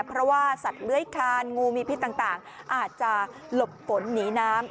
เพราะว่าสัตว์เลื้อยคานงูมีพิษต่างอาจจะหลบฝนหนีน้ำ